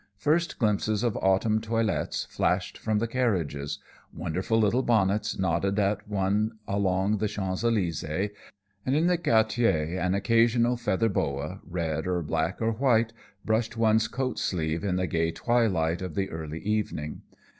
First glimpses of autumn toilettes flashed from the carriages; wonderful little bonnets nodded at one along the Champs Elysées; and in the Quarter an occasional feather boa, red or black or white, brushed one's coat sleeve in the gay twilight of the early evening.